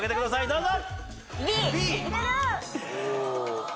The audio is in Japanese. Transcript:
どうぞＢ！